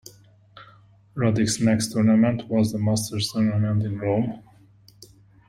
Roddick's next tournament was the Masters tournament in Rome.